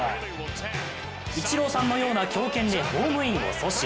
イチローさんのような強肩でホームインを阻止。